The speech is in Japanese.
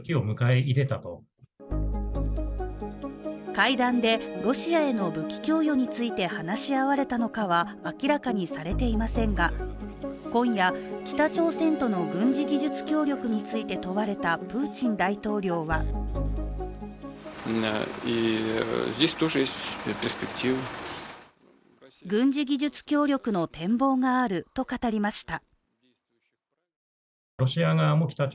会談でロシアへの武器供与について話し合われたのかは明らかにされていませんが今夜、北朝鮮との軍事技術協力について問われたプーチン大統領は軍事技術協力の展望があると語りました。